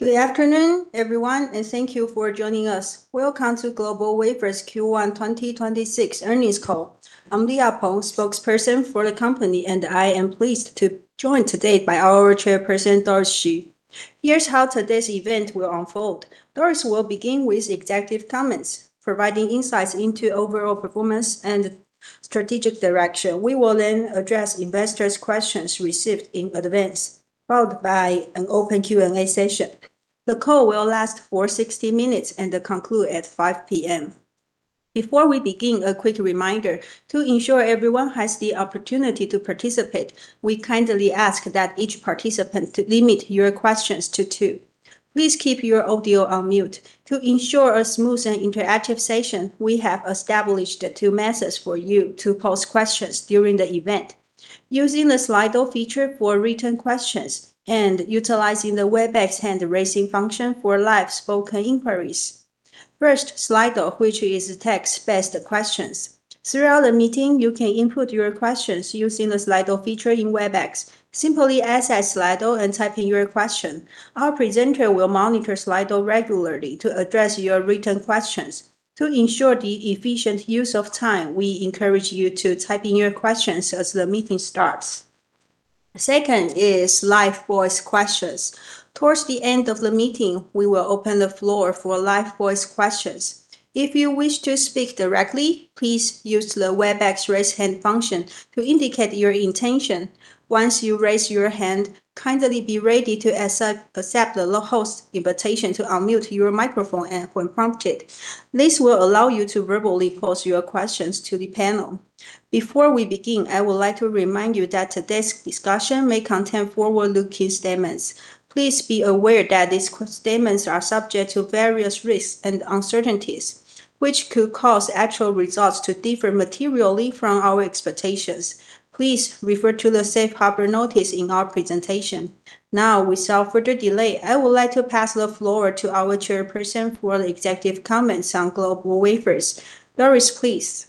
Good afternoon, everyone, and thank you for joining us. Welcome to GlobalWafers Q1 2026 earnings call. I'm Leah Peng, spokesperson for the company, and I am pleased to be joined today by our chairperson, Doris Hsu. Here's how today's event will unfold. Doris will begin with executive comments, providing insights into overall performance and strategic direction. We will then address investors' questions received in advance, followed by an open Q&A session. The call will last for 60 minutes and conclude at 5:00 P.M. Before we begin, a quick reminder. To ensure everyone has the opportunity to participate, we kindly ask that each participant to limit your questions to two. Please keep your audio on mute. To ensure a smooth and interactive session, we have established two methods for you to pose questions during the event, using the Slido feature for written questions and utilizing the Webex hand-raising function for live spoken inquiries. First, Slido, which is text-based questions. Throughout the meeting, you can input your questions using the Slido feature in Webex. Simply access Slido and type in your question. Our presenter will monitor Slido regularly to address your written questions. To ensure the efficient use of time, we encourage you to type in your questions as the meeting starts. Second is live voice questions. Towards the end of the meeting, we will open the floor for live voice questions. If you wish to speak directly, please use the Webex raise hand function to indicate your intention. Once you raise your hand, kindly be ready to accept the host invitation to unmute your microphone when prompted. This will allow you to verbally pose your questions to the panel. Before we begin, I would like to remind you that today's discussion may contain forward-looking statements. Please be aware that these statements are subject to various risks and uncertainties, which could cause actual results to differ materially from our expectations. Please refer to the safe harbor notice in our presentation. Now, without further delay, I would like to pass the floor to our Chairperson for the executive comments on GlobalWafers. Doris, please.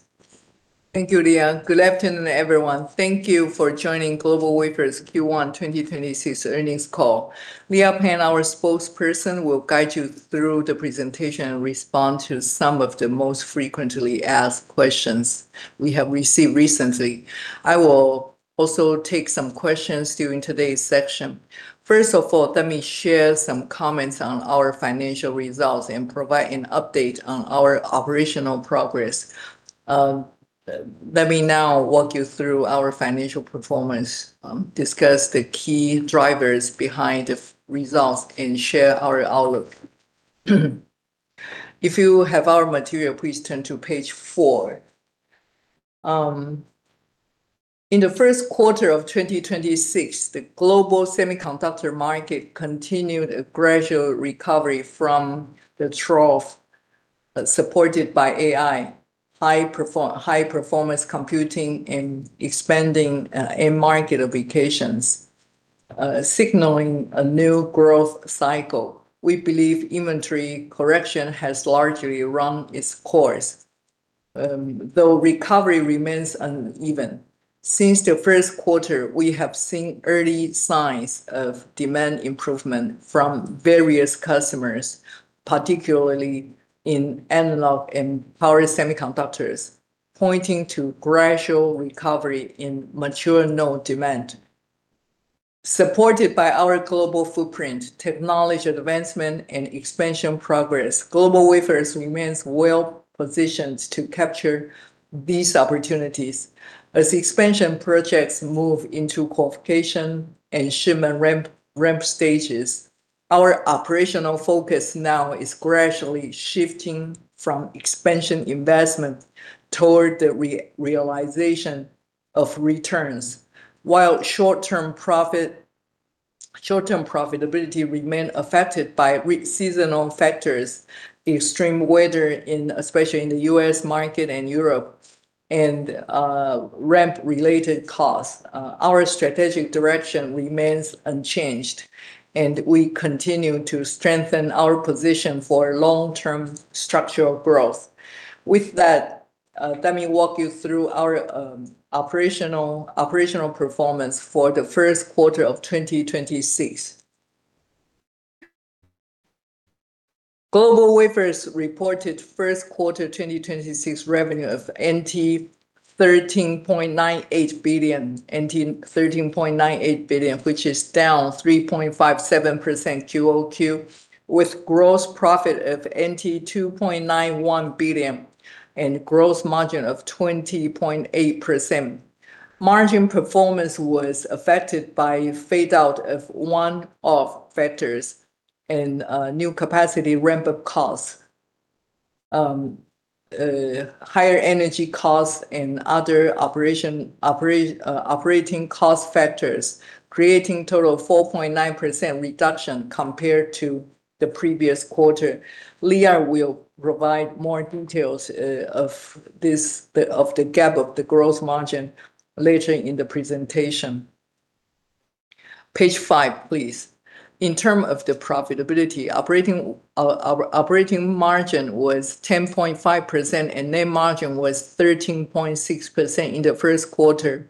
Thank you, Leah. Good afternoon, everyone. Thank you for joining GlobalWafers Q1 2026 earnings call. Leah Peng, our spokesperson, will guide you through the presentation and respond to some of the most frequently asked questions we have received recently. I will also take some questions during today's section. First of all, let me share some comments on our financial results and provide an update on our operational progress. Let me now walk you through our financial performance, discuss the key drivers behind the results, and share our outlook. If you have our material, please turn to page four. In the first quarter of 2026, the global semiconductor market continued a gradual recovery from the trough, supported by AI, high performance computing, and expanding end market applications, signaling a new growth cycle. We believe inventory correction has largely run its course, though recovery remains uneven. Since the 1st quarter, we have seen early signs of demand improvement from various customers, particularly in analog and power semiconductors, pointing to gradual recovery in mature node demand. Supported by our global footprint, technology advancement, and expansion progress, GlobalWafers remains well positioned to capture these opportunities. As expansion projects move into qualification and shipment ramp stages, our operational focus now is gradually shifting from expansion investment toward the realization of returns. While short-term profitability remain affected by seasonal factors, extreme weather in, especially in the U.S. market and Europe, and ramp-related costs, our strategic direction remains unchanged, and we continue to strengthen our position for long-term structural growth. With that, let me walk you through our operational performance for the 1st quarter of 2026. GlobalWafers reported first quarter 2026 revenue of 13.98 billion NT, 13.98 billion, which is down 3.57% QOQ, with gross profit of 2.91 billion and gross margin of 20.8%. Margin performance was affected by fade-out of one-off factors and new capacity ramp-up costs, higher energy costs and other operating cost factors, creating total of 4.9% reduction compared to the previous quarter. Leah will provide more details of the gap of the gross margin later in the presentation. Page five, please. In terms of the profitability, our operating margin was 10.5%, and net margin was 13.6% in the 1st quarter.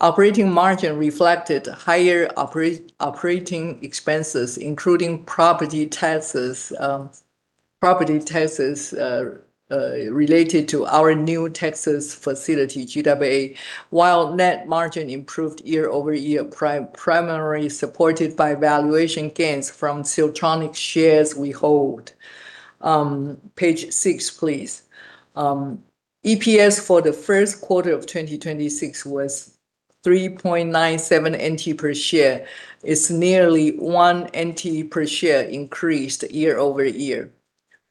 Operating margin reflected higher operating expenses, including property taxes related to our new Texas facility, GWA, while net margin improved year-over-year, primarily supported by valuation gains from Siltronic shares we hold. Page six, please. EPS for the 1st quarter of 2026 was 3.97 NT per share. It's nearly 1 NT per share increased year-over-year.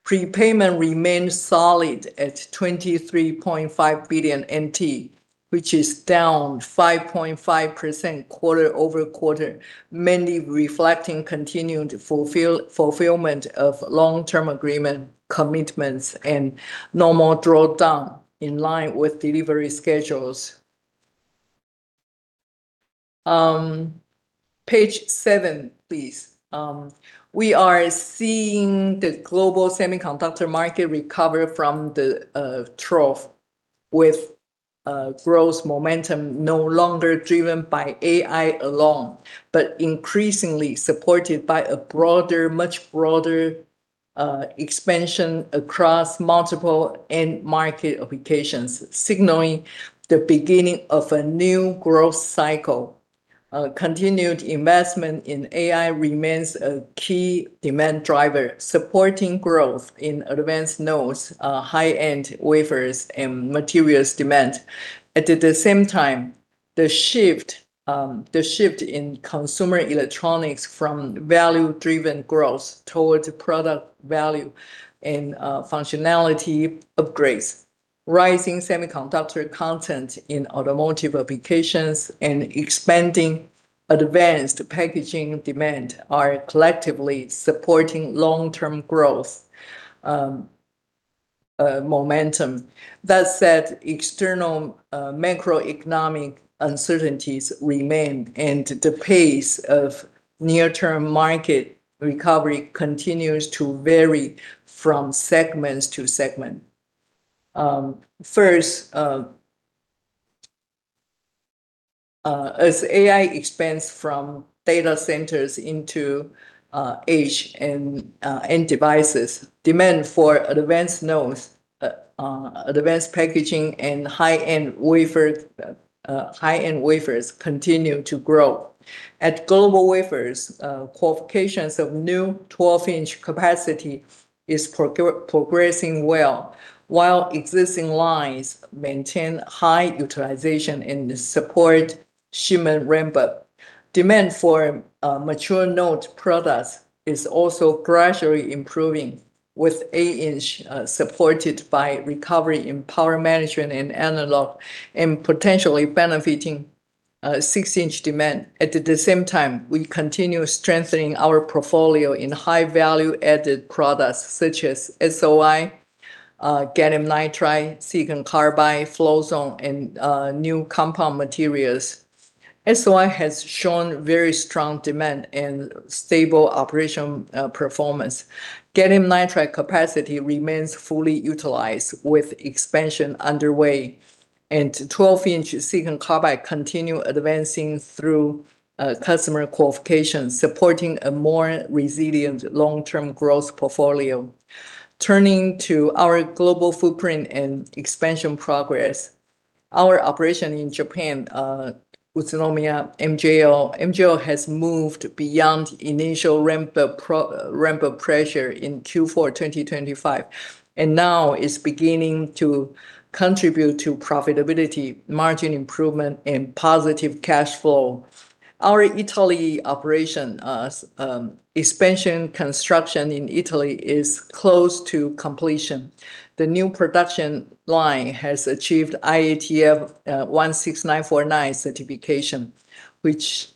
Prepayment remains solid at 23.5 billion NT, which is down 5.5% quarter-over-quarter, mainly reflecting continued fulfillment of long-term agreement commitments and normal drawdown in line with delivery schedules. Page seven, please. We are seeing the global semiconductor market recover from the trough with growth momentum no longer driven by AI alone, but increasingly supported by a broader, much broader expansion across multiple end market applications, signaling the beginning of a new growth cycle. Continued investment in AI remains a key demand driver, supporting growth in advanced nodes, high-end wafers, and materials demand. At the same time, the shift in consumer electronics from value-driven growth towards product value and functionality upgrades, rising semiconductor content in automotive applications, and expanding advanced packaging demand are collectively supporting long-term growth momentum. That said, external macroeconomic uncertainties remain, and the pace of near-term market recovery continues to vary from segments to segment. First, as AI expands from data centers into edge and end devices, demand for advanced nodes, advanced packaging, and high-end wafers continue to grow. At GlobalWafers, qualifications of new 12-inch capacity is progressing well, while existing lines maintain high utilization and support shipment ramp-up. Demand for mature node products is also gradually improving with 8-inch supported by recovery in power management and analog and potentially benefiting 6-inch demand. At the same time, we continue strengthening our portfolio in high value-added products such as SOI, gallium nitride, silicon carbide, float zone, and new compound materials. SOI has shown very strong demand and stable operation performance. Gallium nitride capacity remains fully utilized with expansion underway. 12-inch silicon carbide continue advancing through customer qualifications, supporting a more resilient long-term growth portfolio. Turning to our global footprint and expansion progress, our operation in Japan, Utsunomiya, MJO has moved beyond initial ramp-up pressure in Q4 2025 and now is beginning to contribute to profitability, margin improvement, and positive cash flow. Our Italy operation, expansion construction in Italy is close to completion. The new production line has achieved IATF 16949 certification, which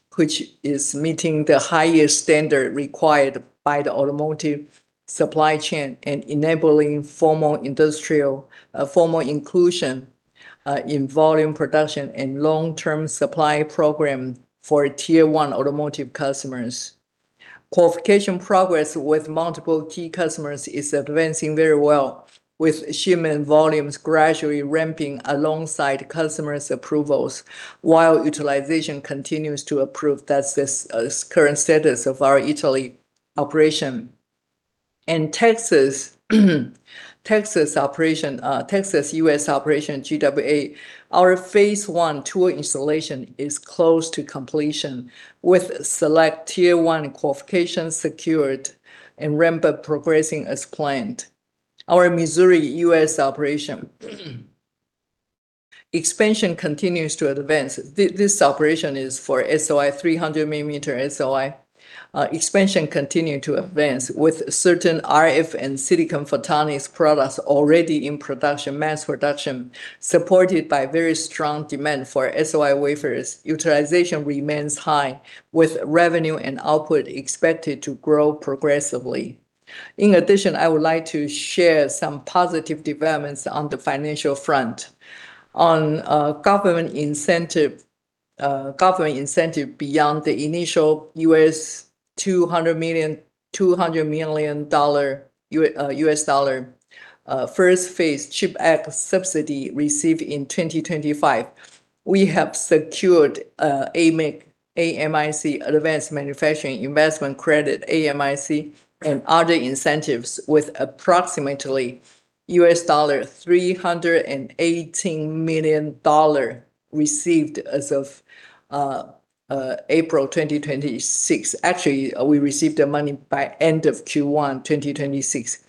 is meeting the highest standard required by the automotive supply chain and enabling formal industrial, formal inclusion in volume production and long-term supply program for Tier 1 automotive customers. Qualification progress with multiple key customers is advancing very well, with shipment volumes gradually ramping alongside customers' approvals while utilization continues to improve. That's the current status of our Italy operation. In Texas operation, Texas U.S. operation, GlobalWafers America, our phase I tool installation is close to completion with select Tier 1 qualifications secured and ramp-up progressing as planned. Our Missouri U.S. operation expansion continues to advance. This operation is for SOI, 300 mm SOI. Expansion continue to advance with certain RF and silicon photonics products already in production, mass production, supported by very strong demand for SOI wafers. Utilization remains high with revenue and output expected to grow progressively. In addition, I would like to share some positive developments on the financial front. On government incentive beyond the initial $200 million first phase CHIPS Act subsidy received in 2025. We have secured AMIC, A-M-I-C, Advanced Manufacturing Investment Credit, and other incentives with approximately $318 million received as of April 2026. Actually, we received the money by end of Q1 2026.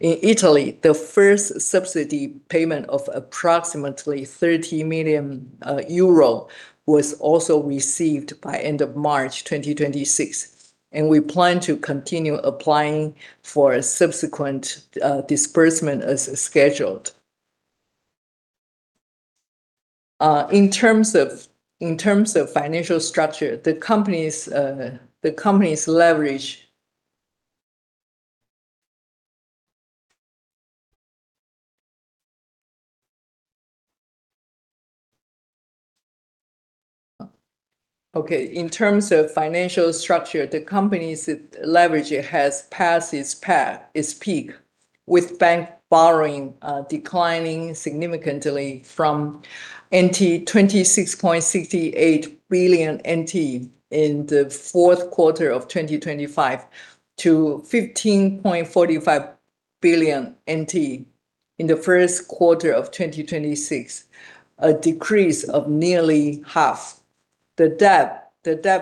In Italy, the first subsidy payment of approximately 30 million euro was also received by end of March 2026, and we plan to continue applying for a subsequent disbursement as scheduled. In terms of financial structure, the company's leverage has passed its peak, with bank borrowing declining significantly from 26.68 billion NT in the fourth quarter of 2025 to 15.45 billion NT in the first quarter of 2026, a decrease of nearly half. The debt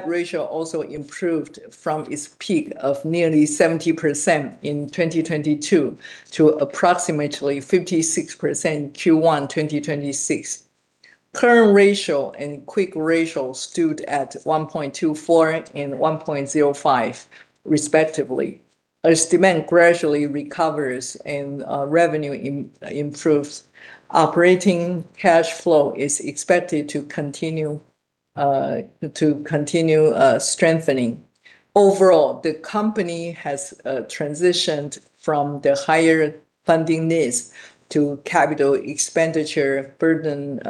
ratio also improved from its peak of nearly 70% in 2022 to approximately 56% Q1 2026. Current ratio and quick ratio stood at 1.24 and 1.05 respectively. As demand gradually recovers and revenue improves, operating cash flow is expected to continue strengthening. Overall, the company has transitioned from the higher funding needs to capital expenditure burden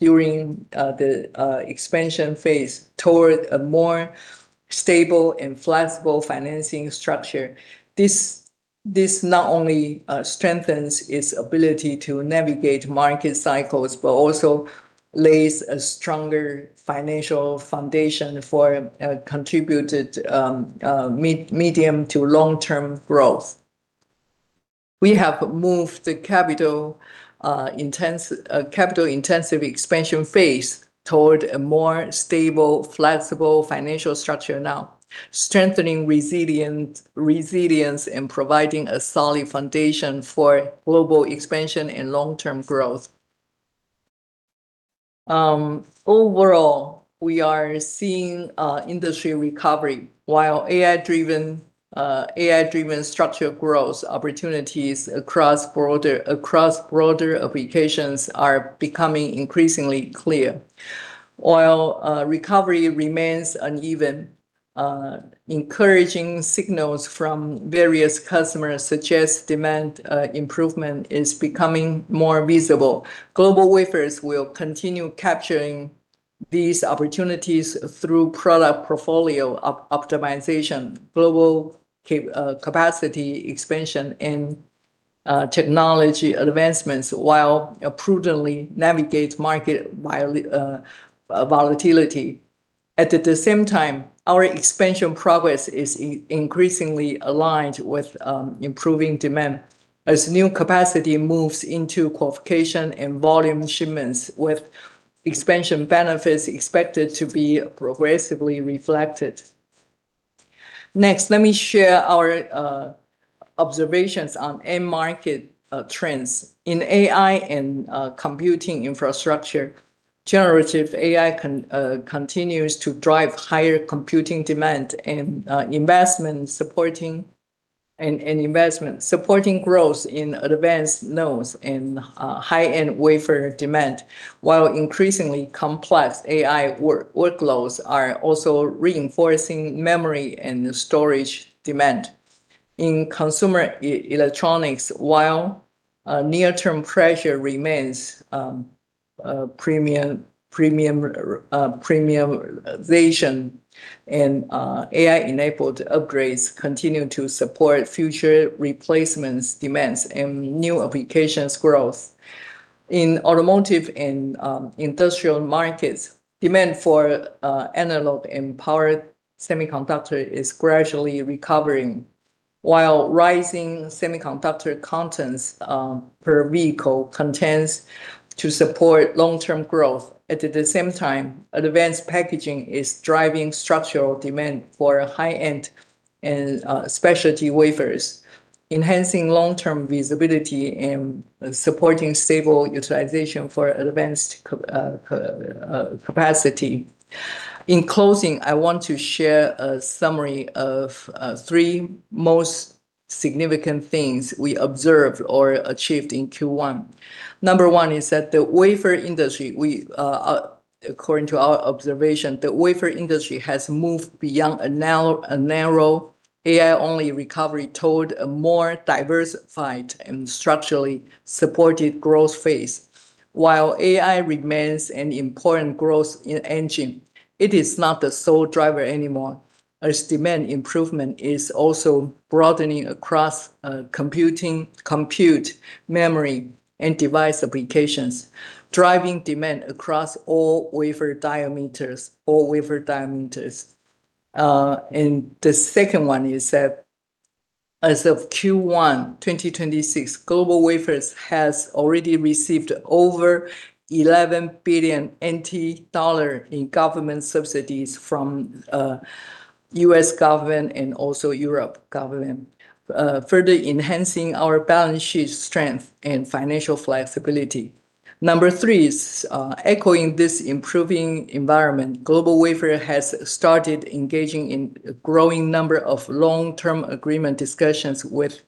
during the expansion phase toward a more stable and flexible financing structure. This not only strengthens its ability to navigate market cycles, but also lays a stronger financial foundation for contributed medium to long-term growth. We have moved the capital intensive expansion phase toward a more stable, flexible financial structure now, strengthening resilience and providing a solid foundation for global expansion and long-term growth. Overall, we are seeing industry recovery while AI driven structure growth opportunities across broader applications are becoming increasingly clear. While recovery remains uneven, encouraging signals from various customers suggest demand improvement is becoming more visible. GlobalWafers will continue capturing these opportunities through product portfolio optimization, global capacity expansion, and technology advancements while prudently navigate market volatility. At the same time, our expansion progress is increasingly aligned with improving demand as new capacity moves into qualification and volume shipments with expansion benefits expected to be progressively reflected. Next, let me share our observations on end market trends. In AI and computing infrastructure, generative AI continues to drive higher computing demand and investment supporting growth in advanced nodes and high-end wafer demand, while increasingly complex AI workloads are also reinforcing memory and storage demand. In consumer electronics, while near-term pressure remains, premiumization and AI-enabled upgrades continue to support future replacements demands and new applications growth. In automotive and industrial markets, demand for analog and power semiconductor is gradually recovering while rising semiconductor contents per vehicle continues to support long-term growth. At the same time, advanced packaging is driving structural demand for high-end and specialty wafers, enhancing long-term visibility and supporting stable utilization for advanced capacity. In closing, I want to share a summary of three most significant things we observed or achieved in Q1. Number one is that the wafer industry, we, according to our observation, the wafer industry has moved beyond a narrow AI-only recovery toward a more diversified and structurally supported growth phase. While AI remains an important growth engine, it is not the sole driver anymore. As demand improvement is also broadening across computing, compute, memory, and device applications, driving demand across all wafer diameters. The second one is that as of Q1 2026, GlobalWafers has already received over 11 billion NT dollar in government subsidies from U.S. government and also Europe government, further enhancing our balance sheet strength and financial flexibility. Number three is, echoing this improving environment, GlobalWafers has started engaging in growing number of Long-Term Agreement discussions with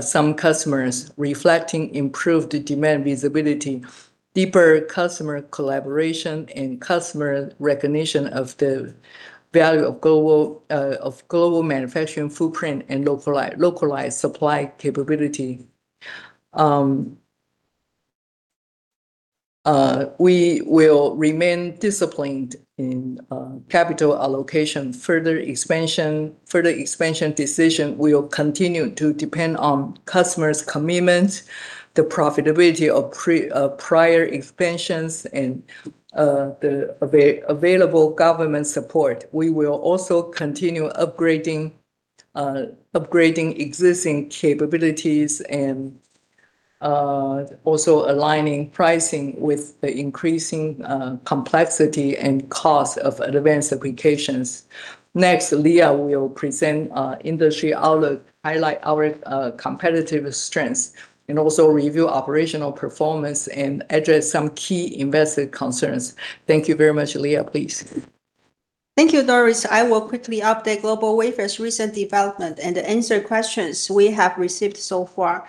some customers, reflecting improved demand visibility, deeper customer collaboration, and customer recognition of the value of global manufacturing footprint and localized supply capability. We will remain disciplined in capital allocation. Further expansion decision will continue to depend on customers' commitment, the profitability of prior expansions, and the available government support. We will also continue upgrading existing capabilities and also aligning pricing with the increasing complexity and cost of advanced applications. Next, Leah will present industry outlook, highlight our competitive strengths, and also review operational performance and address some key investor concerns. Thank you very much. Leah, please. Thank you, Doris. I will quickly update GlobalWafers' recent development and answer questions we have received so far.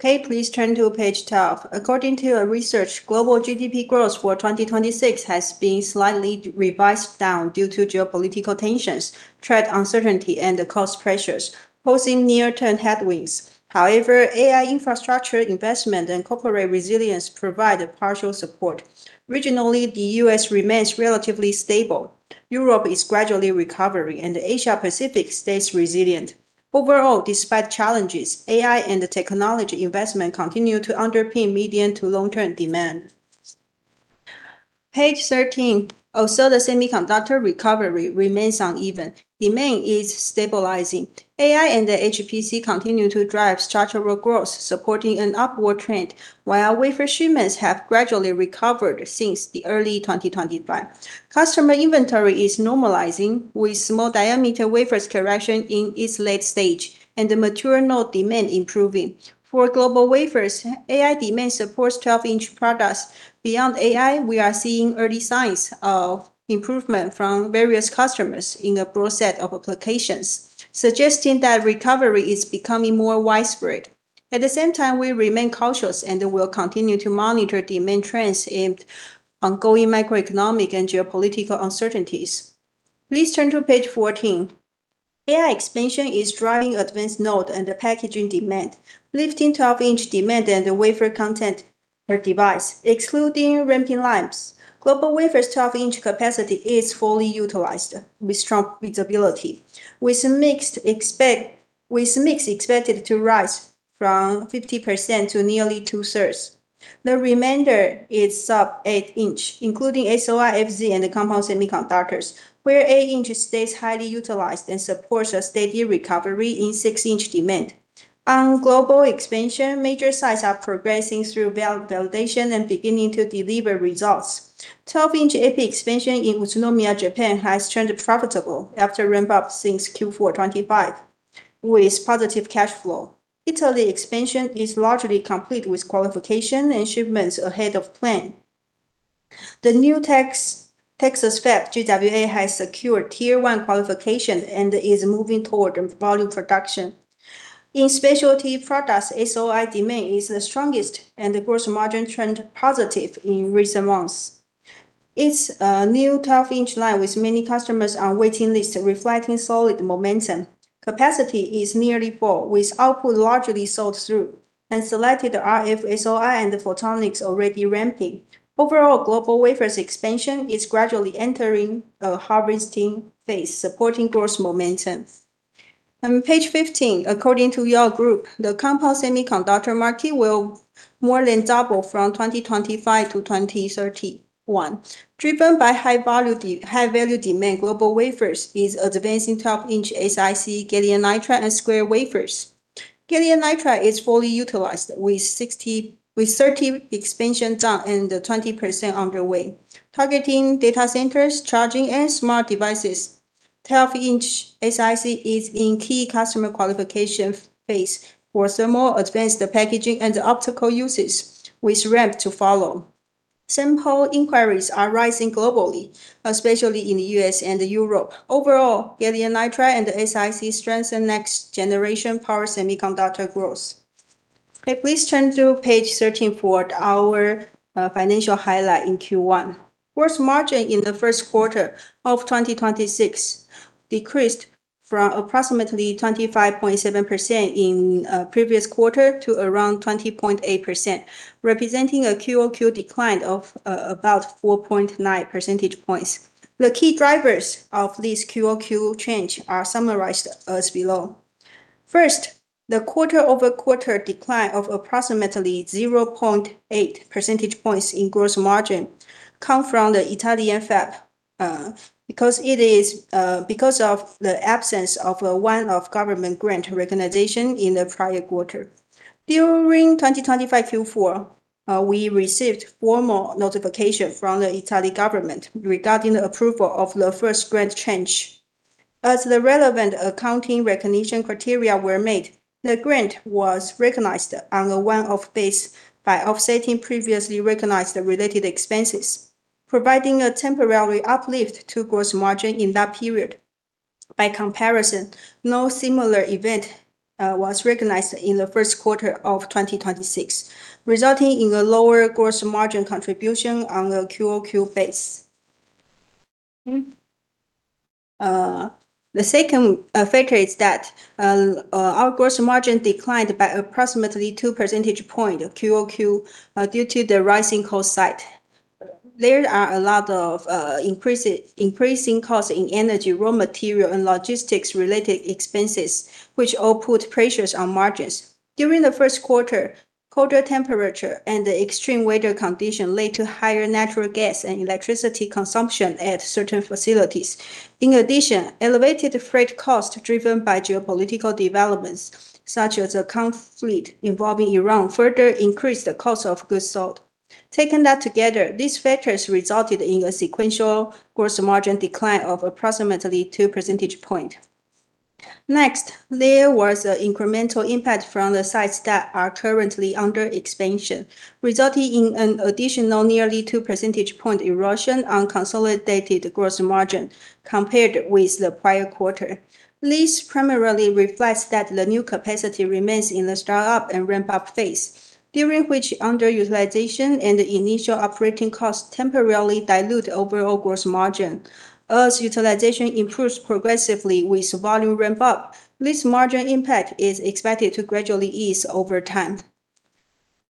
Okay, please turn to page 12. According to our research, global GDP growth for 2026 has been slightly revised down due to geopolitical tensions, trade uncertainty, and cost pressures, posing near-term headwinds. However, AI infrastructure investment and corporate resilience provide a partial support. Regionally, the U.S. remains relatively stable. Europe is gradually recovering, and Asia Pacific stays resilient. Overall, despite challenges, AI and the technology investment continue to underpin medium to long-term demand. Page 13. The semiconductor recovery remains uneven. Demand is stabilizing. AI and the HPC continue to drive structural growth, supporting an upward trend, while wafer shipments have gradually recovered since the early 2025. Customer inventory is normalizing, with small diameter wafers correction in its late stage and the material node demand improving. For GlobalWafers, AI demand supports 12-inch products. Beyond AI, we are seeing early signs of improvement from various customers in a broad set of applications, suggesting that recovery is becoming more widespread. At the same time, we remain cautious and will continue to monitor demand trends and ongoing macroeconomic and geopolitical uncertainties. Please turn to page 14. AI expansion is driving advanced node and the packaging demand, lifting 12-inch demand and the wafer content per device, excluding ramping lines. GlobalWafers' 12-inch capacity is fully utilized with strong visibility, with mix expected to rise from 50% to nearly 2/3. The remainder is sub 8-inch, including SOI, FZ, and the compound semiconductors, where 8-inch stays highly utilized and supports a steady recovery in 6-inch demand. On global expansion, major sites are progressing through validation and beginning to deliver results. 12-inch EPI expansion in Utsunomiya, Japan, has turned profitable after ramp-up since Q4 2025, with positive cash flow. Italy expansion is largely complete with qualification and shipments ahead of plan. The new Texas fab GWA has secured Tier 1 qualification and is moving toward volume production. In specialty products, SOI demand is the strongest, and the gross margin trend positive in recent months. Its new 12-inch line with many customers on waiting list reflecting solid momentum. Capacity is nearly full, with output largely sold through and selected RF SOI and photonics already ramping. Overall, GlobalWafers expansion is gradually entering a harvesting phase, supporting growth momentum. On page 15, according to Yole Group, the compound semiconductor market will more than double from 2025 to 2031. Driven by high value demand, GlobalWafers is advancing 12-inch SiC, gallium nitride, and square wafers. Gallium nitride is fully utilized with 30 expansion done and 20% underway. Targeting data centers, charging, and smart devices, 12-inch SiC is in key customer qualification phase for thermal advanced packaging and optical uses, with ramp to follow. Sample inquiries are rising globally, especially in the U.S. and Europe. Overall, gallium nitride and the SiC strengthen next generation power semiconductor growth. Please turn to page 13 for our financial highlight in Q1. Gross margin in the first quarter of 2026 decreased from approximately 25.7% in previous quarter to around 20.8%, representing a QOQ decline of about 4.9 percentage points. The key drivers of this QoQ change are summarized as below. The quarter-over-quarter decline of approximately 0.8 percentage points in gross margin come from the Italian fab, because it is, because of the absence of a one-off government grant recognition in the prior quarter. During 2025 Q4, we received formal notification from the Italy government regarding the approval of the first grant tranche. As the relevant accounting recognition criteria were made, the grant was recognized on a one-off base by offsetting previously recognized related expenses, providing a temporary uplift to gross margin in that period. By comparison, no similar event was recognized in the first quarter of 2026, resulting in a lower gross margin contribution on the QoQ base. The second factor is that our gross margin declined by approximately 2 percentage point QoQ, due to the rising cost side. There are a lot of increasing costs in energy, raw material, and logistics related expenses, which all put pressures on margins. During the first quarter, colder temperature and the extreme weather condition led to higher natural gas and electricity consumption at certain facilities. In addition, elevated freight costs driven by geopolitical developments, such as the conflict involving Iran, further increased the cost of goods sold. Taken that together, these factors resulted in a sequential gross margin decline of approximately 2 percentage point. There was an incremental impact from the sites that are currently under expansion, resulting in an additional nearly 2 percentage point erosion on consolidated gross margin compared with the prior quarter. This primarily reflects that the new capacity remains in the start-up and ramp-up phase, during which underutilization and the initial operating costs temporarily dilute overall gross margin. As utilization improves progressively with volume ramp-up, this margin impact is expected to gradually ease over time.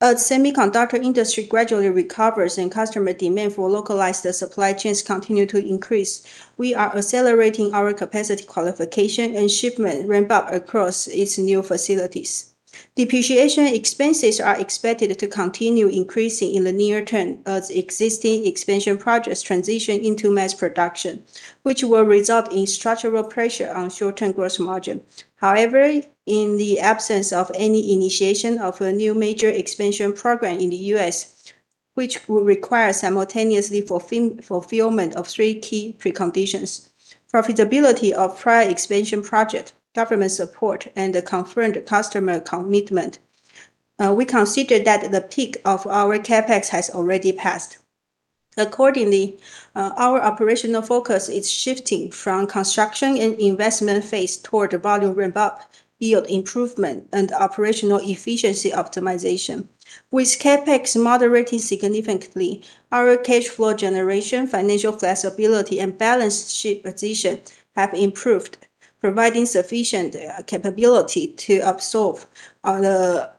As semiconductor industry gradually recovers and customer demand for localized supply chains continue to increase, we are accelerating our capacity qualification and shipment ramp-up across its new facilities. Depreciation expenses are expected to continue increasing in the near term as existing expansion projects transition into mass production, which will result in structural pressure on short-term gross margin. In the absence of any initiation of a new major expansion program in the U.S., which will require simultaneously fulfillment of three key preconditions, profitability of prior expansion project, government support, and a confirmed customer commitment, we consider that the peak of our CapEx has already passed. Accordingly, our operational focus is shifting from construction and investment phase toward the volume ramp-up, yield improvement, and operational efficiency optimization. With CapEx moderating significantly, our cash flow generation, financial flexibility, and balance sheet position have improved, providing sufficient capability to absorb other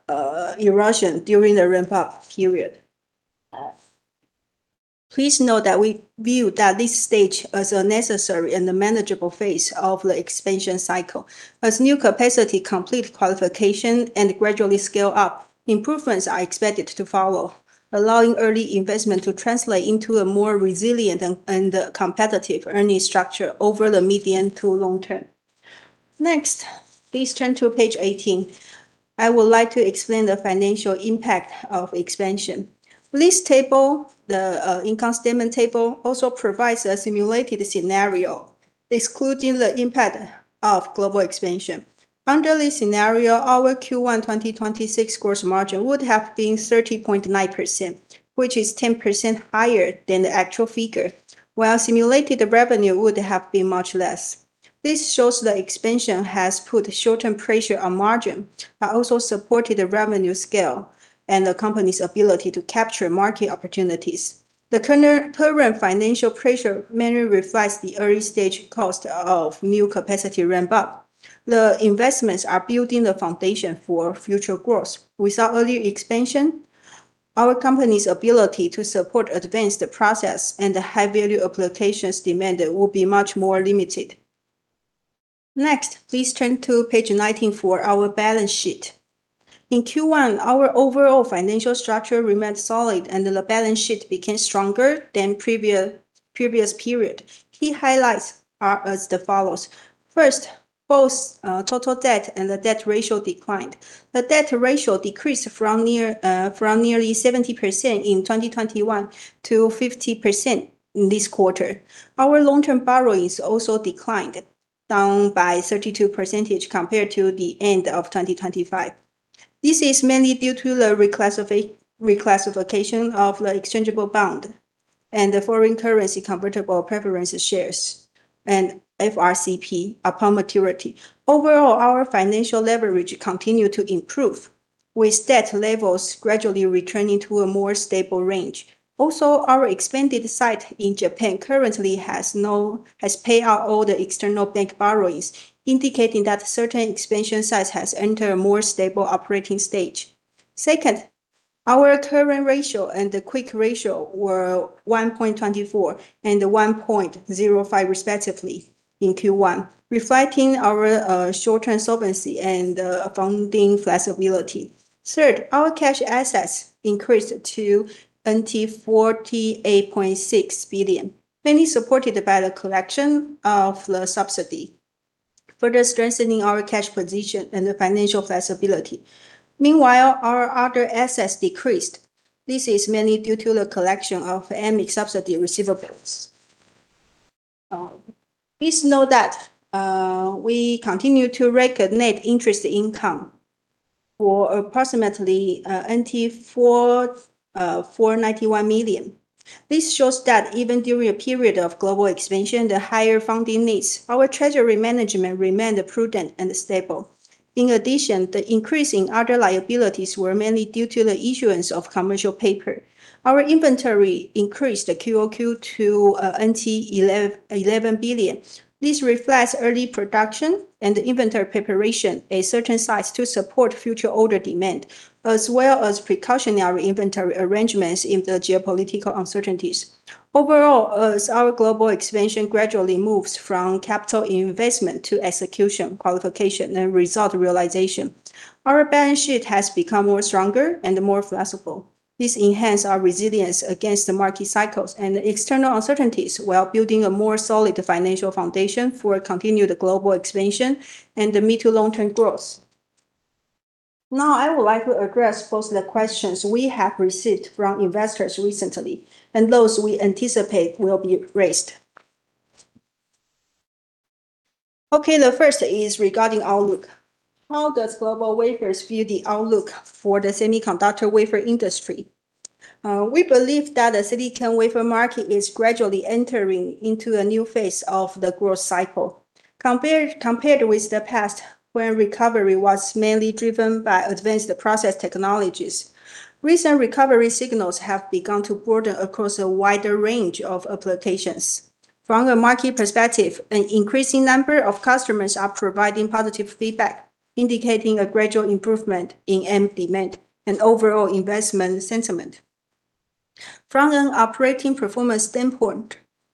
erosion during the ramp-up period. Please note that we view that this stage as a necessary and a manageable phase of the expansion cycle. As new capacity complete qualification and gradually scale up, improvements are expected to follow, allowing early investment to translate into a more resilient and competitive earning structure over the medium to long term. Next, please turn to page 18. I would like to explain the financial impact of expansion. This table, the income statement table, also provides a simulated scenario, excluding the impact of global expansion. Under this scenario, our Q1 2026 gross margin would have been 30.9%, which is 10% higher than the actual figure, while simulated revenue would have been much less. This shows the expansion has put short-term pressure on margin, but also supported the revenue scale and the company's ability to capture market opportunities. The current financial pressure mainly reflects the early stage cost of new capacity ramp-up. The investments are building the foundation for future growth. Without early expansion, our company's ability to support advanced process and the high-value applications demanded will be much more limited. Next, please turn to page 19 for our balance sheet. In Q1, our overall financial structure remained solid, and the balance sheet became stronger than previous period. Key highlights are as the follows. First, both total debt and the debt ratio declined. The debt ratio decreased from near from nearly 70% in 2021 to 50% in this quarter. Our long-term borrowings also declined, down by 32% compared to the end of 2025. This is mainly due to the reclassification of the exchangeable bond and the foreign currency convertible preference shares and FRCP upon maturity. Overall, our financial leverage continued to improve. With debt levels gradually returning to a more stable range. Also, our expanded site in Japan currently has paid out all the external bank borrowings, indicating that certain expansion sites has entered a more stable operating stage. Second, our current ratio and the quick ratio were 1.24 and 1.05 respectively in Q1, reflecting our short-term solvency and funding flexibility. Third, our cash assets increased to 48.6 billion, mainly supported by the collection of the subsidy, further strengthening our cash position and the financial flexibility. Meanwhile, our other assets decreased. This is mainly due to the collection of AMIC subsidy receivables. Please note that we continue to recognize interest income for approximately 491 million. This shows that even during a period of global expansion, the higher funding needs, our treasury management remained prudent and stable. In addition, the increase in other liabilities were mainly due to the issuance of commercial paper. Our inventory increased QoQ to 11 billion. This reflects early production and inventory preparation at certain sites to support future order demand, as well as precautionary inventory arrangements in the geopolitical uncertainties. Overall, as our global expansion gradually moves from capital investment to execution, qualification, and result realization, our balance sheet has become more stronger and more flexible. This enhance our resilience against the market cycles and external uncertainties, while building a more solid financial foundation for continued global expansion and the mid to long-term growth. I would like to address both the questions we have received from investors recently and those we anticipate will be raised. The first is regarding outlook. How does GlobalWafers view the outlook for the semiconductor wafer industry? We believe that the silicon wafer market is gradually entering into a new phase of the growth cycle. Compared with the past, where recovery was mainly driven by advanced process technologies, recent recovery signals have begun to broaden across a wider range of applications. From a market perspective, an increasing number of customers are providing positive feedback, indicating a gradual improvement in end demand and overall investment sentiment. From an operating performance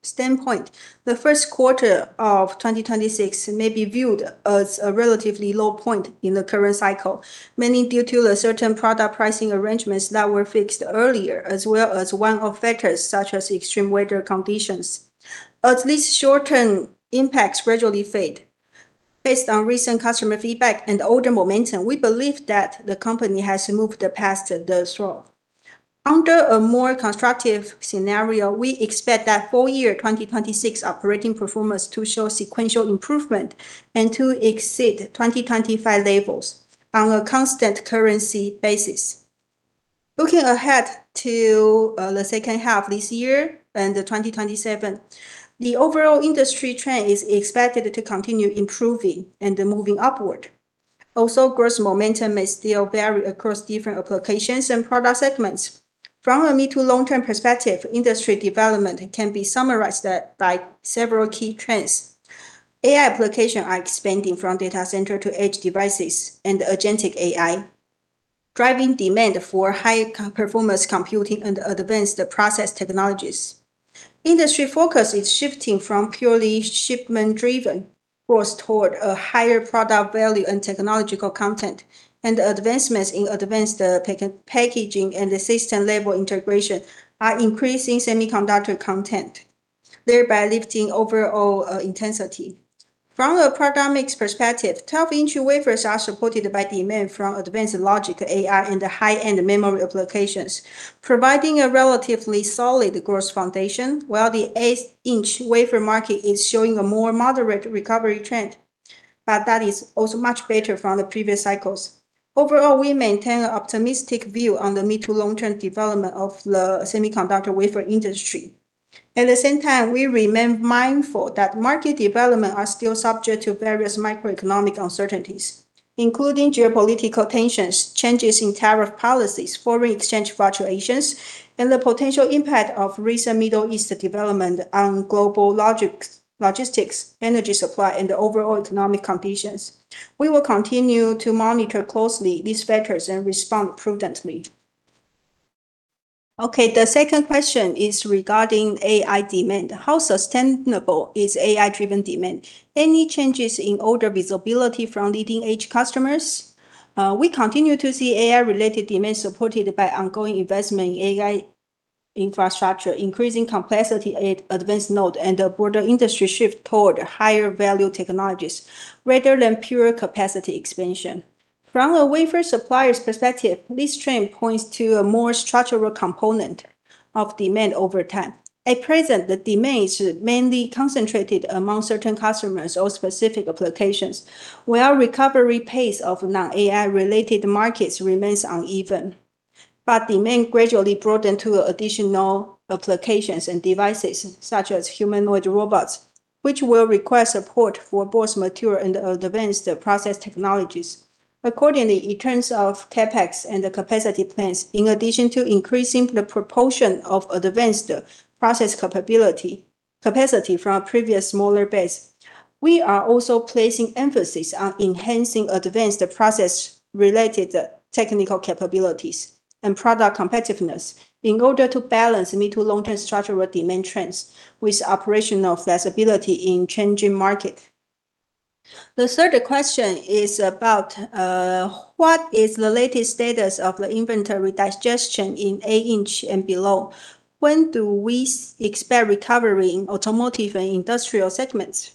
standpoint, the first quarter of 2026 may be viewed as a relatively low point in the current cycle, mainly due to the certain product pricing arrangements that were fixed earlier, as well as one-off factors such as extreme weather conditions. As these short-term impacts gradually fade, based on recent customer feedback and order momentum, we believe that the company has moved past the trough. Under a more constructive scenario, we expect that full year 2026 operating performance to show sequential improvement and to exceed 2025 levels on a constant currency basis. Looking ahead to the second half this year and 2027, the overall industry trend is expected to continue improving and moving upward. Also, growth momentum may still vary across different applications and product segments. From a mid to long-term perspective, industry development can be summarized by several key trends. AI applications are expanding from data center to edge devices and agentic AI, driving demand for high performance computing and advanced process technologies. Industry focus is shifting from purely shipment driven growth toward a higher product value and technological content, and advancements in advanced packaging and system-level integration are increasing semiconductor content, thereby lifting overall intensity. From a product mix perspective, 12-inch wafers are supported by demand from advanced logic AI and the high-end memory applications, providing a relatively solid growth foundation, while the 8-inch wafer market is showing a more moderate recovery trend. That is also much better from the previous cycles. Overall, we maintain an optimistic view on the mid to long-term development of the semiconductor wafer industry. At the same time, we remain mindful that market development are still subject to various macroeconomic uncertainties, including geopolitical tensions, changes in tariff policies, foreign exchange fluctuations, and the potential impact of recent Middle East development on global logistics, energy supply, and the overall economic conditions. We will continue to monitor closely these factors and respond prudently. Okay, the second question is regarding AI demand. How sustainable is AI-driven demand? Any changes in order visibility from leading edge customers? We continue to see AI-related demand supported by ongoing investment in AI infrastructure, increasing complexity at advanced node, and a broader industry shift toward higher value technologies rather than pure capacity expansion. From a wafer supplier's perspective, this trend points to a more structural component of demand over time. At present, the demand is mainly concentrated among certain customers or specific applications, while recovery pace of non-AI related markets remains uneven. Demand gradually broaden to additional applications and devices, such as humanoid robots, which will require support for both mature and advanced process technologies. Accordingly, in terms of CapEx and the capacity plans, in addition to increasing the proportion of advanced process capability, capacity from previous smaller base, we are also placing emphasis on enhancing advanced process related technical capabilities and product competitiveness in order to balance mid-to-long-term structural demand trends with operational flexibility in changing market. The third question is about what is the latest status of the inventory digestion in 8 inch and below? When do we expect recovery in automotive and industrial segments?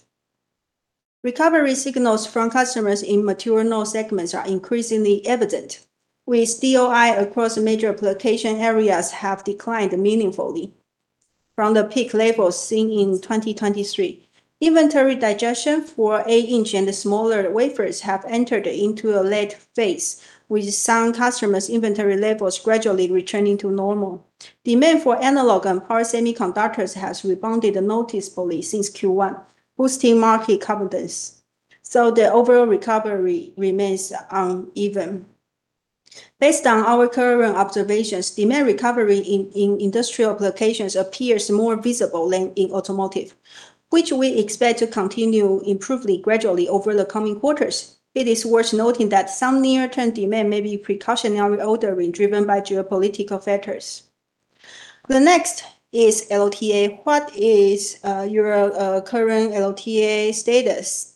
Recovery signals from customers in mature node segments are increasingly evident, with DOI across major application areas have declined meaningfully from the peak levels seen in 2023. Inventory digestion for 8-inch and smaller wafers have entered into a late phase, with some customers' inventory levels gradually returning to normal. Demand for analog and power semiconductors has rebounded noticeably since Q1, boosting market confidence, so the overall recovery remains uneven. Based on our current observations, demand recovery in industrial applications appears more visible than in automotive, which we expect to continue improving gradually over the coming quarters. It is worth noting that some near term demand may be precautionary ordering driven by geopolitical factors. The next is LTA. What is your current LTA status?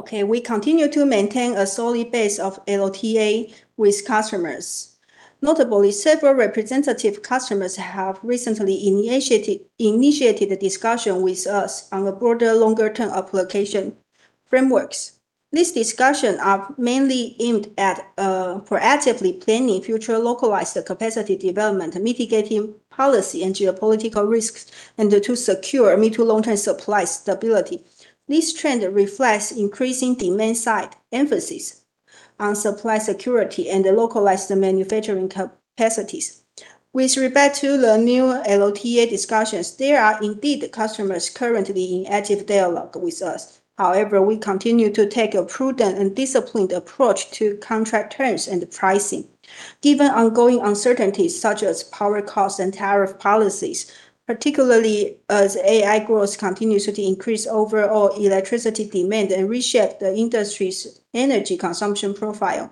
Okay. We continue to maintain a solid base of LTA with customers. Notably, several representative customers have recently initiated a discussion with us on a broader, longer-term application frameworks. These discussion are mainly aimed at proactively planning future localized capacity development, mitigating policy and geopolitical risks, and to secure mid to long term supply stability. This trend reflects increasing demand side emphasis on supply security and localized manufacturing capacities. With regard to the new LTA discussions, there are indeed customers currently in active dialogue with us. However, we continue to take a prudent and disciplined approach to contract terms and pricing, given ongoing uncertainties such as power costs and tariff policies, particularly as AI growth continues to increase overall electricity demand and reshape the industry's energy consumption profile.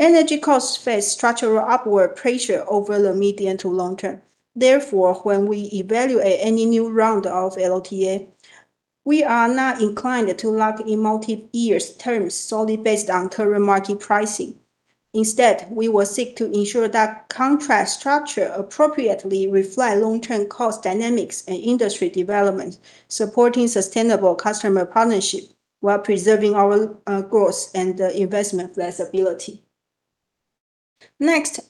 Energy costs face structural upward pressure over the medium to long term. Therefore, when we evaluate any new round of LTA, we are not inclined to lock in multi years terms solely based on current market pricing. Instead, we will seek to ensure that contract structure appropriately reflect long term cost dynamics and industry development, supporting sustainable customer partnership while preserving our growth and investment flexibility. Next,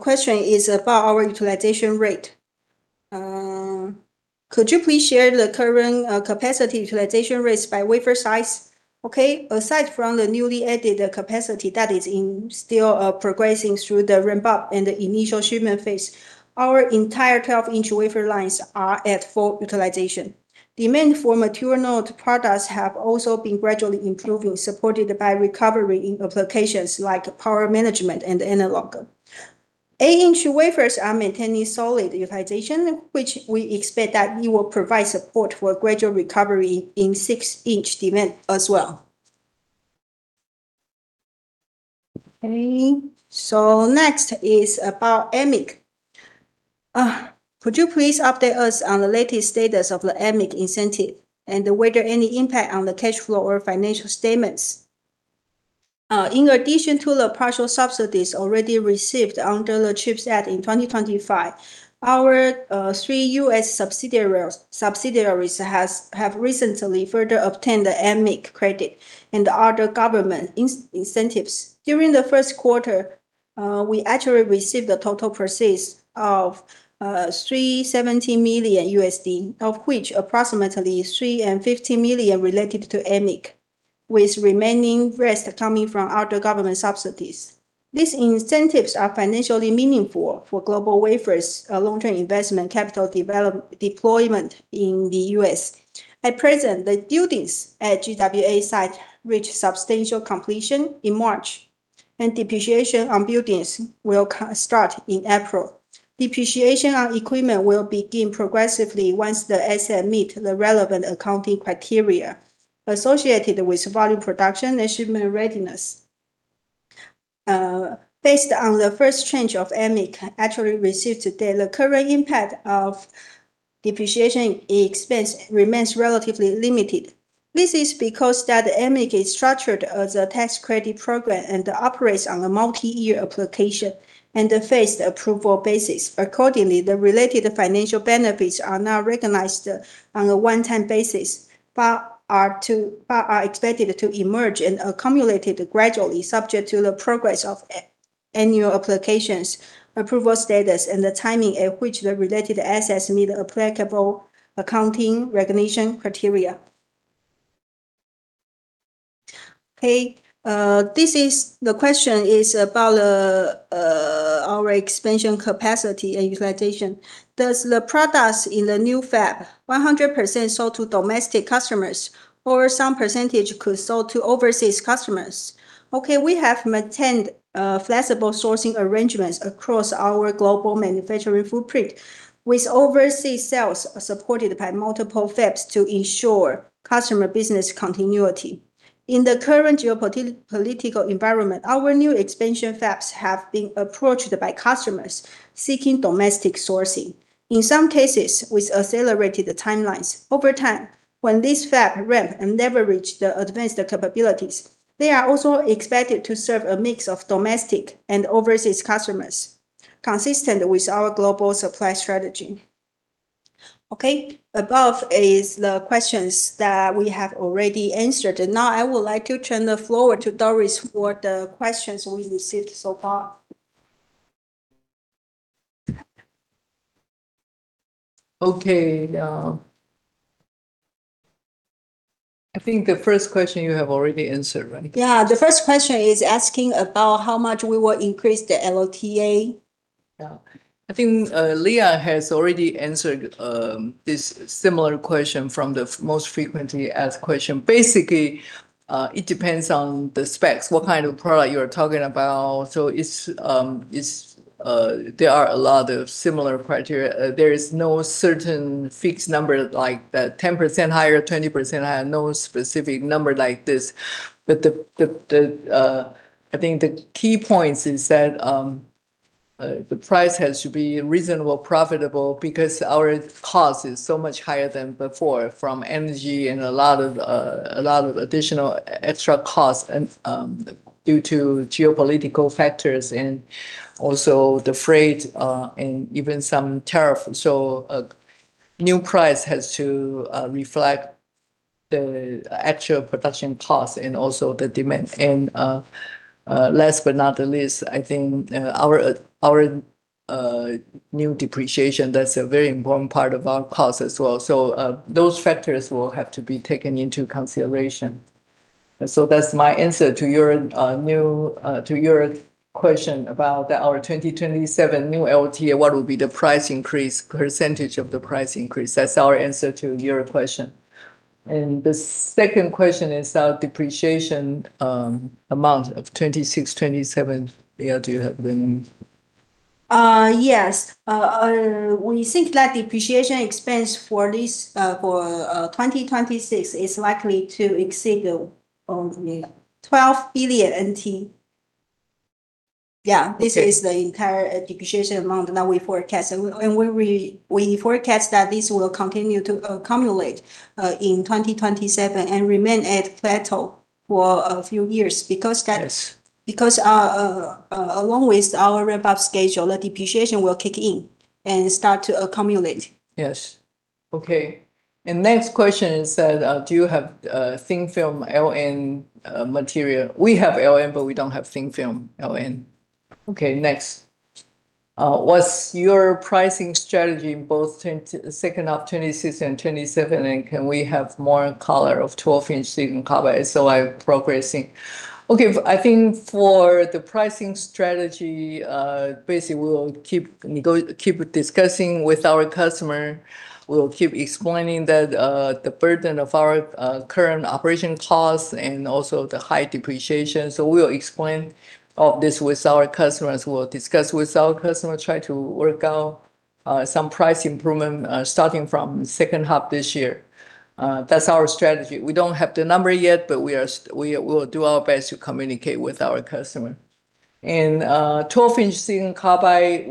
question is about our utilization rate. Could you please share the current capacity utilization rates by wafer size? Okay. Aside from the newly added capacity that is still progressing through the ramp-up and the initial shipment phase, our entire 12-inch wafer lines are at full utilization. Demand for mature node products have also been gradually improving, supported by recovery in applications like power management and analog. 8-inch wafers are maintaining solid utilization, which we expect that it will provide support for gradual recovery in 6-inch demand as well. Next is about AMIC. Could you please update us on the latest status of the AMIC incentive and whether any impact on the cash flow or financial statements? In addition to the partial subsidies already received under the CHIPS Act in 2025, our three U.S. subsidiaries have recently further obtained the AMIC credit and other government incentives. During the first quarter, we actually received a total proceeds of $370 million, of which approximately $350 million related to AMIC, with remaining rest coming from other government subsidies. These incentives are financially meaningful for GlobalWafers' long-term investment capital deployment in the U.S. At present, the buildings at GWA site reached substantial completion in March, and depreciation on buildings will start in April. Depreciation on equipment will begin progressively once the asset meet the relevant accounting criteria associated with volume production and shipment readiness. Based on the first tranche of AMIC actually received to date, the current impact of depreciation expense remains relatively limited. This is because that AMIC is structured as a tax credit program and operates on a multi-year application and a phased approval basis. Accordingly, the related financial benefits are not recognized on a one-time basis, but are expected to emerge and accumulated gradually, subject to the progress of annual applications, approval status, and the timing at which the related assets meet applicable accounting recognition criteria. Okay, this is the question is about our expansion capacity and utilization. Does the products in the new fab 100% sold to domestic customers or some percentage could sell to overseas customers? Okay, we have maintained flexible sourcing arrangements across our global manufacturing footprint with overseas sales, supported by multiple fabs to ensure customer business continuity. In the current geopolitical environment, our new expansion fabs have been approached by customers seeking domestic sourcing, in some cases with accelerated timelines. Over time when this fab ramp and leverage the advanced capabilities, they are also expected to serve a mix of domestic and overseas customers, consistent with our global supply strategy. Okay, above is the questions that we have already answered, and now I would like to turn the floor to Doris for the questions we received so far. Okay. I think the first question you have already answered, right? Yeah, the first question is asking about how much we will increase the LTA. Yeah. I think Leah has already answered this similar question from the most frequently asked question. Basically, it depends on the specs, what kind of product you are talking about. It's there are a lot of similar criteria. There is no certain fixed number like 10% higher, 20% higher. No specific number like this. The I think the key points is that the price has to be reasonable profitable because our cost is so much higher than before from energy and a lot of additional extra costs and due to geopolitical factors and also the freight and even some tariff. A new price has to reflect the actual production cost and also the demand. Last but not the least, I think our new depreciation, that's a very important part of our cost as well. Those factors will have to be taken into consideration. That's my answer to your new to your question about the, our 2027 new LTA, what will be the price increase, percentage of the price increase. That's our answer to your question. The second question is our depreciation amount of 2026, 2027. Leah, do you have the number? Yes, we think that depreciation expense for 2026 is likely to exceed the 12 billion NT. Okay. This is the entire depreciation amount that we forecast. We forecast that this will continue to accumulate in 2027 and remain at plateau for a few years. Along with our ramp-up schedule, the depreciation will kick in and start to accumulate. Yes. Okay. Next question is that, do you have thin film LN material? We have LN, but we don't have thin film LN. Okay, next. What's your pricing strategy in both second half 2026 and 2027, and can we have more color of 12-inch silicon carbide SOI progressing? Okay. I think for the pricing strategy, basically we'll keep discussing with our customer. We'll keep explaining that the burden of our current operation costs and also the high depreciation. We'll explain all this with our customers. We'll discuss with our customers, try to work out some price improvement starting from second half this year. That's our strategy. We don't have the number yet, but we'll do our best to communicate with our customer. 12-inch silicon carbide,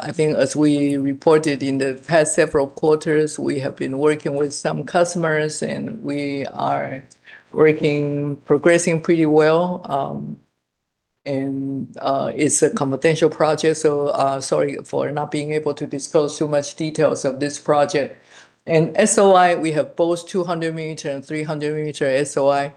I think as we reported in the past several quarters, we have been working with some customers, and we are working, progressing pretty well. It's a confidential project. Sorry for not being able to disclose too much details of this project. SOI, we have both 200 mm and 300 mm SOI.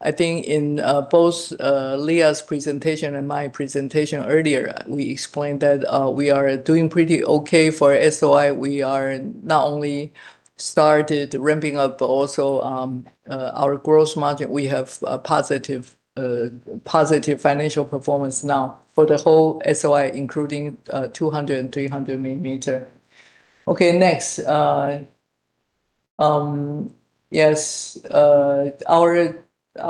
I think in both Leah's presentation and my presentation earlier, we explained that we are doing pretty okay for SOI. We are not only started ramping up, but also our gross margin, we have a positive financial performance now for the whole SOI, including 200 mm and 300 mm. Okay, next. Yes, our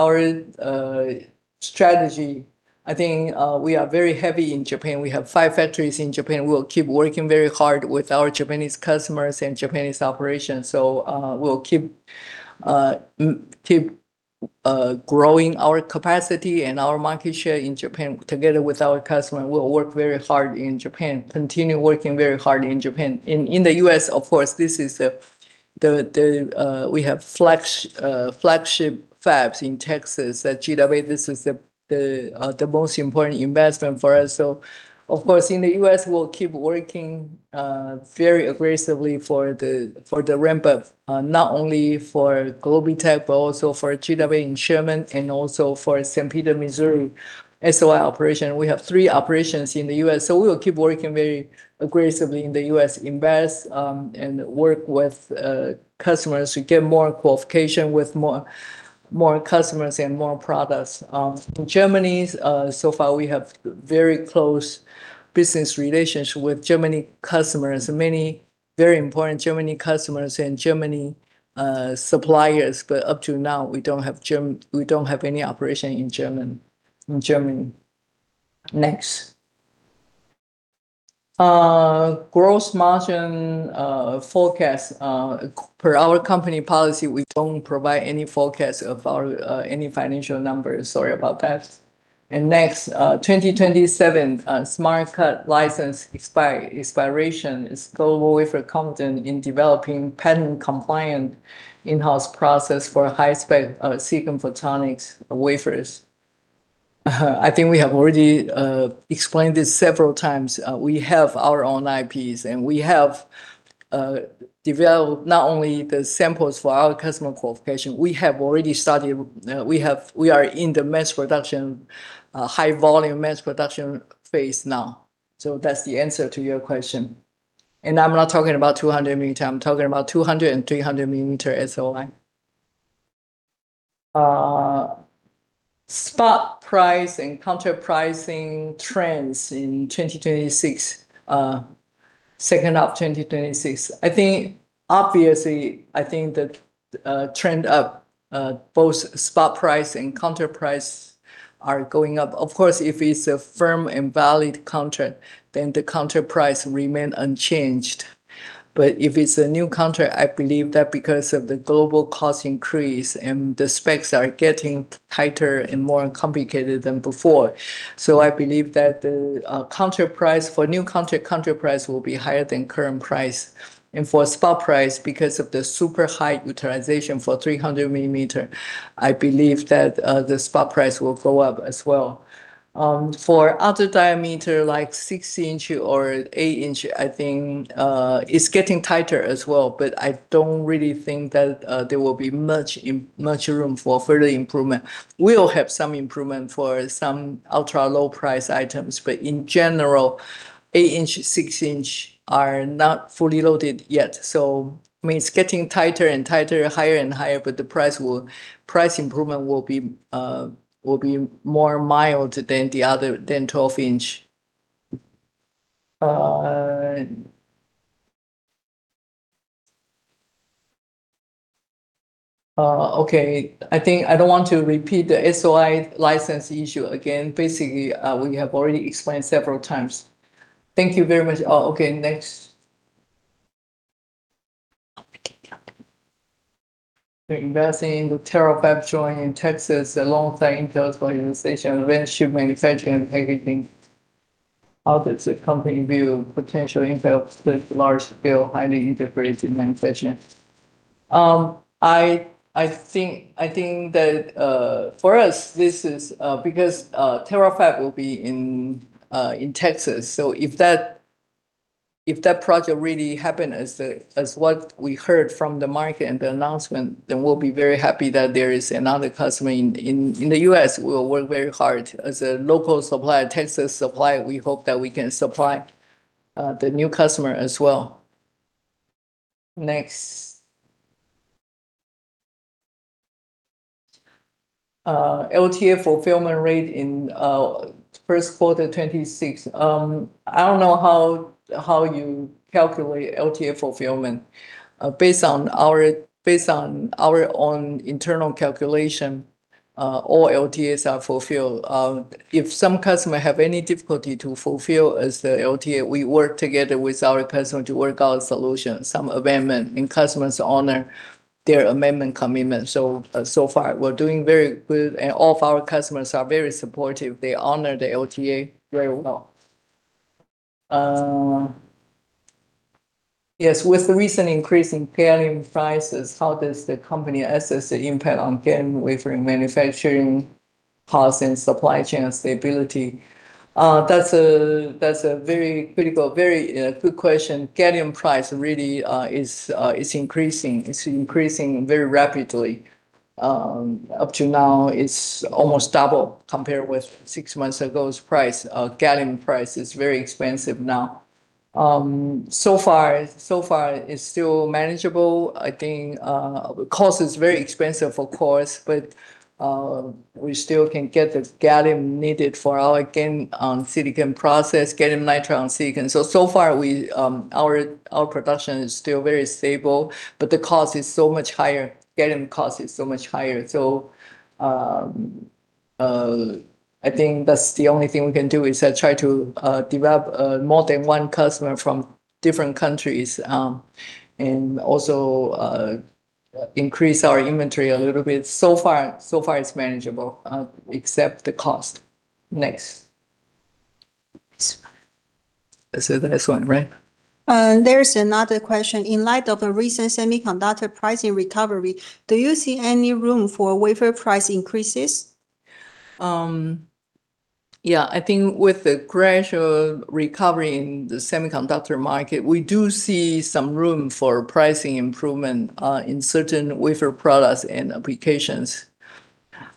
strategy, I think, we are very heavy in Japan. We have five factories in Japan. We'll keep working very hard with our Japanese customers and Japanese operations. We'll keep growing our capacity and our market share in Japan together with our customer. We'll work very hard in Japan. Continue working very hard in Japan. In the U.S., of course, we have flagship fabs in Texas at GW. This is the most important investment for us. Of course, in the U.S. we'll keep working very aggressively for the ramp-up, not only for GlobiTech, but also for GW in Sherman and also for St. Peters, Missouri SOI operation. We have three operations in the U.S., so we'll keep working very aggressively in the U.S., invest, and work with customers to get more qualification with more customers and more products. In Germany, so far we have very close business relationship with German customers, many very important German customers in Germany, German suppliers, but up to now, we don't have any operation in Germany. Next. Gross margin forecast. Per our company policy, we don't provide any forecast of our any financial numbers. Sorry about that. Next, 2027 Smart Cut license expiration. Is GlobalWafers confident in developing patent compliant in-house process for high spec silicon photonics wafers? I think we have already explained this several times. We have our own IPs, we have developed not only the samples for our customer qualification, we have already started, we are in the mass production, high volume mass production phase now. That's the answer to your question. I'm not talking about 200 mm, I'm talking about 200 mm and 300 mm SOI. Spot price and counter pricing trends in 2026, second half 2026. I think, obviously, I think that trend up, both spot price and counter price are going up. Of course, if it's a firm and valid counter, then the counter price remain unchanged. If it's a new counter, I believe that because of the global cost increase, the specs are getting tighter and more complicated than before. I believe that the counter price for new counter price will be higher than current price. For spot price, because of the super high utilization for 300 mm, I believe that the spot price will go up as well. For other diameter, like 6 inch or 8 inch, I think it's getting tighter as well, but I don't really think that there will be much room for further improvement. We'll have some improvement for some ultra-low price items, but in general, 8 inch, 6 inch are not fully loaded yet. I mean, it's getting tighter and tighter, higher and higher, but the price improvement will be more mild than the other, than 12 inch. I think I don't want to repeat the SOI license issue again. Basically, we have already explained several times. Thank you very much. Okay, next. Investing in the Terafab joint in Texas alongside Intel's fabrication relationship, manufacturing, everything. How does the company view potential impacts with large scale, highly integrated manufacturing? I think that for us, this is because Terafab will be in Texas, so if that project really happen as what we heard from the market and the announcement, then we'll be very happy that there is another customer in the U.S. We'll work very hard. As a local supplier, Texas supplier, we hope that we can supply the new customer as well. Next. LTA fulfillment rate in first quarter 2026. I don't know how you calculate LTA fulfillment. Based on our own internal calculation, all LTAs are fulfilled. If some customer have any difficulty to fulfill as the LTA, we work together with our customer to work out a solution, some amendment, and customers honor their amendment commitment. So far, we're doing very good, and all of our customers are very supportive. They honor the LTA very well. Yes. With the recent increase in gallium prices, how does the company assess the impact on GaN wafer manufacturing costs and supply chain stability? That's a very critical, very good question. Gallium price really is increasing. It's increasing very rapidly. Up to now, it's almost double compared with six months ago's price. Gallium price is very expensive now. So far it's still manageable. I think cost is very expensive, of course, we still can get the gallium needed for our GaN on silicon process, gallium nitride on silicon. So far we our production is still very stable, the cost is so much higher. Gallium cost is so much higher. I think that's the only thing we can do is try to develop more than one customer from different countries, and also increase our inventory a little bit. So far it's manageable, except the cost. Next. This is the last one, right? There's another question. In light of the recent semiconductor pricing recovery, do you see any room for wafer price increases? I think with the gradual recovery in the semiconductor market, we do see some room for pricing improvement in certain wafer products and applications.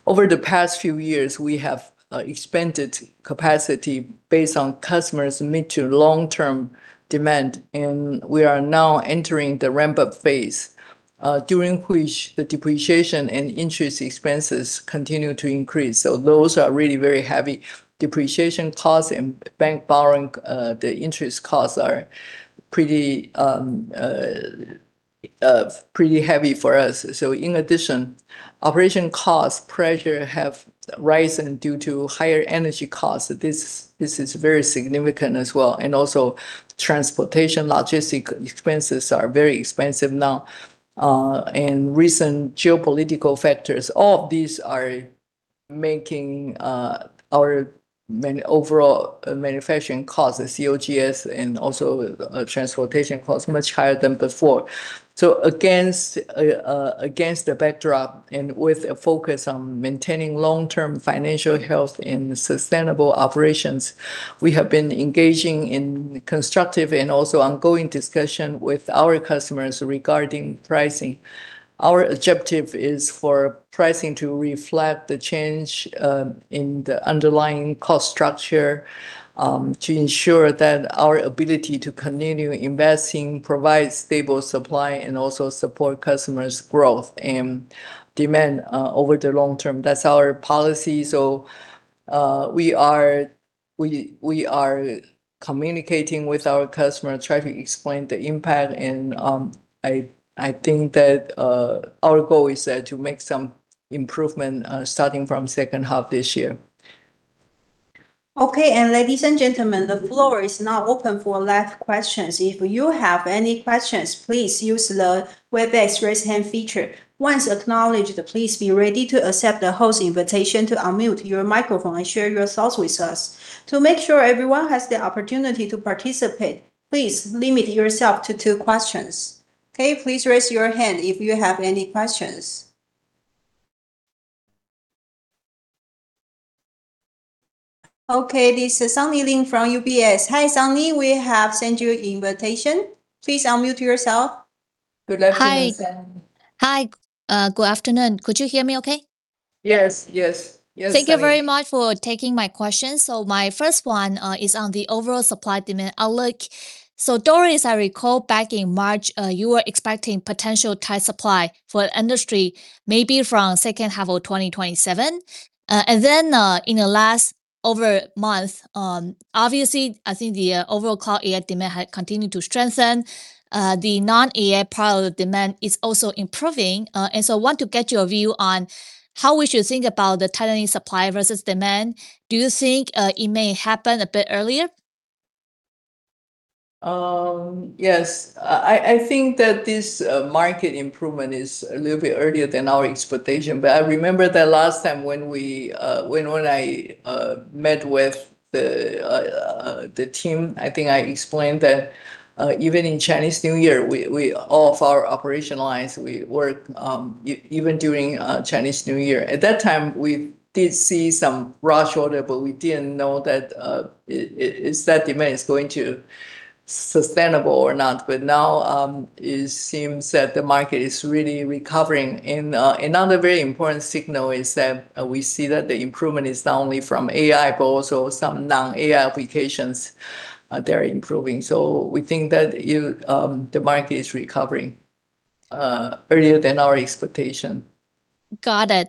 Over the past few years, we have expanded capacity based on customers' mid- to long-term demand, and we are now entering the ramp-up phase, during which the depreciation and interest expenses continue to increase. Those are really very heavy depreciation costs and bank borrowing, the interest costs are pretty heavy for us. In addition, operation cost pressure have risen due to higher energy costs. This is very significant as well. Also transportation, logistic expenses are very expensive now. Recent geopolitical factors, all of these are making our overall manufacturing costs, the COGS, and also transportation costs much higher than before. Against the backdrop and with a focus on maintaining long-term financial health in sustainable operations, we have been engaging in constructive and also ongoing discussion with our customers regarding pricing. Our objective is for pricing to reflect the change in the underlying cost structure to ensure that our ability to continue investing, provide stable supply, and also support customers' growth and demand over the long term. That's our policy. We are communicating with our customer, trying to explain the impact. I think that our goal is to make some improvement starting from second half this year. Okay. Ladies and gentlemen, the floor is now open for live questions. If you have any questions, please use the Webex Raise Hand feature. Once acknowledged, please be ready to accept the host's invitation to unmute your microphone and share your thoughts with us. To make sure everyone has the opportunity to participate, please limit yourself to two questions. Okay, please raise your hand if you have any questions. Okay, this is Sunny Lin from UBS. Hi, Sunny. We have sent you invitation. Please unmute yourself. Good afternoon, Sunny. Hi. Hi, good afternoon. Could you hear me okay? Yes. Yes. Yes, Sunny. Thank you very much for taking my question. My first one is on the overall supply demand outlook. Doris, I recall back in March, you were expecting potential tight supply for industry, maybe from second half of 2027. In the last over month, obviously, I think the overall cloud AI demand had continued to strengthen. The non-AI product demand is also improving. I want to get your view on how we should think about the tightening supply versus demand. Do you think it may happen a bit earlier? Yes. I think that this market improvement is a little bit earlier than our expectation, but I remember that last time when we, when I met with the team, I think I explained that even in Chinese New Year, we all of our operational lines, we work even during Chinese New Year. At that time, we did see some rush order, but we didn't know that is that demand is going to sustainable or not. Now, it seems that the market is really recovering. Another very important signal is that we see that the improvement is not only from AI, but also some non-AI applications, they're improving. We think that the market is recovering earlier than our expectation. Got it.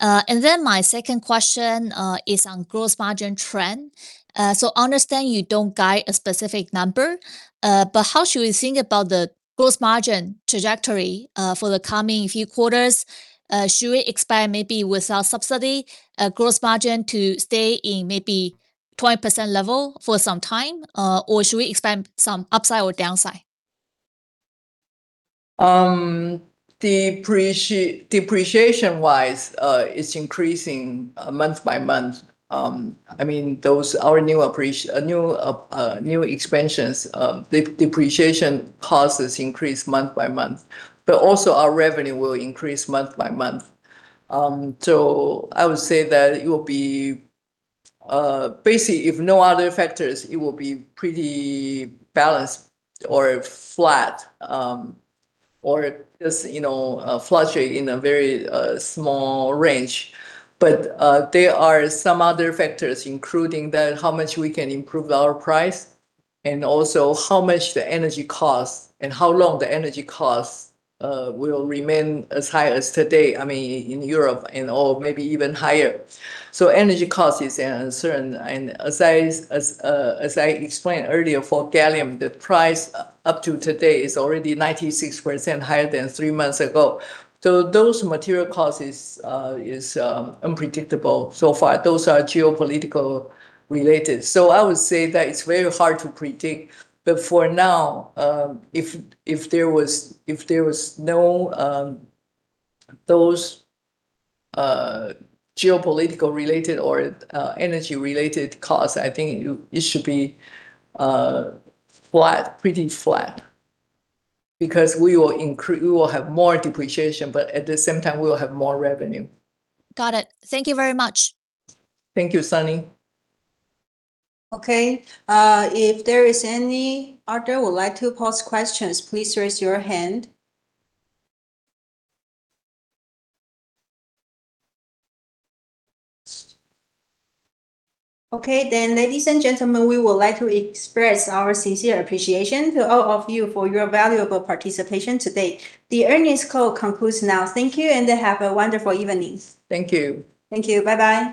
My second question is on gross margin trend. Understand you don't guide a specific number, but how should we think about the gross margin trajectory for the coming few quarters? Should we expect maybe without subsidy, gross margin to stay in maybe 20% level for some time? Should we expect some upside or downside? Depreciation-wise, it's increasing month by month. Our new expansions, the depreciation causes increase month by month, but also our revenue will increase month by month. I would say that it will be, basically, if no other factors, it will be pretty balanced or flat, or just, you know, fluctuate in a very small range. There are some other factors, including the how much we can improve our price and also how much the energy costs and how long the energy costs will remain as high as today, in Europe and, or maybe even higher. Energy cost is uncertain. As I explained earlier, for gallium, the price up to today is already 96% higher than three months ago. Those material costs is unpredictable so far. Those are geopolitical related. I would say that it's very hard to predict. For now, if there was no those geopolitical related or energy related costs, I think it should be flat, pretty flat because We will have more depreciation, but at the same time, we will have more revenue. Got it. Thank you very much. Thank you, Sunny. Okay. If there is any other would like to pose questions, please raise your hand. Okay, ladies and gentlemen, we would like to express our sincere appreciation to all of you for your valuable participation today. The earnings call concludes now. Thank you, and have a wonderful evening. Thank you. Thank you. Bye-bye.